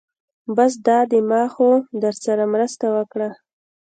بس دا دی ما خو درسره مرسته وکړه.